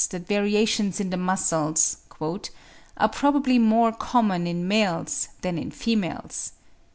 that variations in the muscles "are probably more common in males than females."